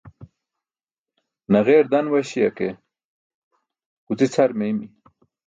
Naġeer dan waśi̇ya ke guci̇ cʰar meeymi̇.